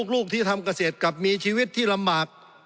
ลูกที่ทำเกษตรกลับมีชีวิตที่ลำบาก